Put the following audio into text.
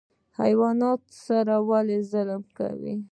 حیواناتو سره ولې ظلم نه کوو؟